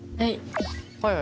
はい。